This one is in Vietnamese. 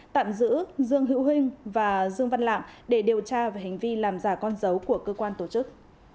tạm giữ dương hữu hưng và dương văn lạng để điều tra về hành vi làm giả con dấu của cơ quan tổ chức